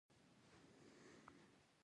وروسته به نو په یوه بېل ډول باندې یم.